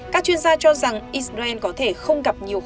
các chuyên gia cho rằng israel có thể không gặp nhiều khóa